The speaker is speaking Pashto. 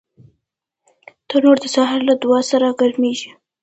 تنور د سهار له دعا سره ګرمېږي